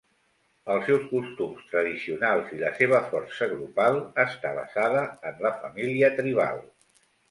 Els seus costums tradicionals i la seva força grupal està basada en la família tribal.